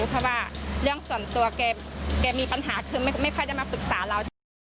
เพราะว่าเรื่องส่วนตัวแกมีปัญหาคือไม่ค่อยได้มาปรึกษาเราเท่าไหร่